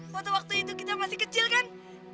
waktu waktu itu kita masih kecil kan